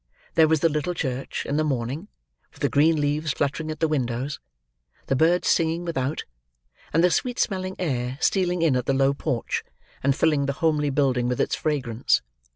There was the little church, in the morning, with the green leaves fluttering at the windows: the birds singing without: and the sweet smelling air stealing in at the low porch, and filling the homely building with its fragrance.